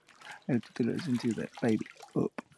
El título del sencillo es 'Baby U!